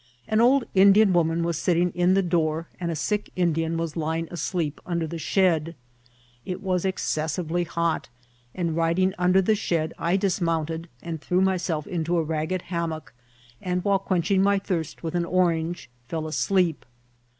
An old Indian woman was sitting in the door, and a sick Indian was lying asleep under the shed. It was excessively hot, and riding under the shed, I dis mounted, threw myself into a ragged hammock, and while quenching my thirst with an orange fell asleep.